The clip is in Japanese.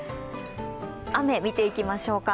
雨、見ていきましょうか。